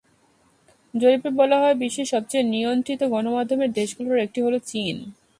জরিপে বলা হয়, বিশ্বের সবচেয়ে নিয়ন্ত্রিত গণমাধ্যমের দেশগুলোর একটি হলো চীন।